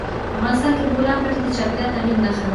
افغانستان کې د بولان پټي د چاپېریال د تغیر نښه ده.